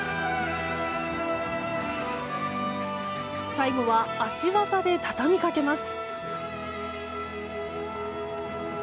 最後は脚技で畳みかけます。